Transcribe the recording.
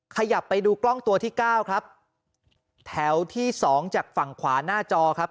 ขยับไปดูกล้องตัวที่เก้าครับแถวที่สองจากฝั่งขวาหน้าจอครับ